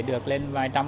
được lên vài trăm